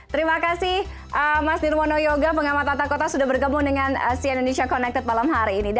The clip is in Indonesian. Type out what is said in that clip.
terima kasih mas nirwono yoga pengamat tata kota sudah bergabung dengan cn indonesia connected malam hari ini